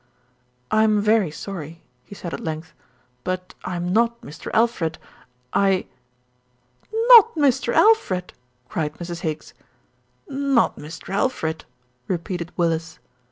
"I'm very sorry," he said at length, "but I'm not Mr. Alfred I" "Not Mr. Alfred!" cried Mrs. Higgs. "Not Mr. Alfred!" repeated Willis.